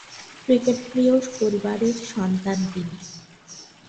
ক্রিকেটপ্রিয় পরিবারের সন্তান তিনি।